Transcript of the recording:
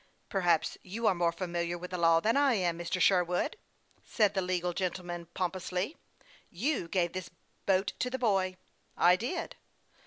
"Perhaps you are more familiar with the law than I am, Mr. Sherwood," said the legal gentleman, pompously. " You gave this boat to the boy." " I did."